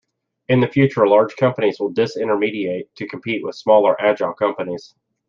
In the future, large companies will dis-intermediate to compete with smaller agile companies.